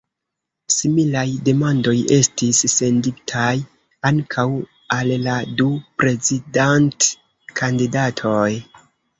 Similaj demandoj estis senditaj ankaŭ al la du prezidant-kandidatoj.